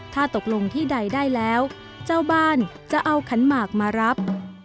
ถ้าตกลงที่ใดได้แล้วเจ้าบ้านจะเอาขันหมากมารับ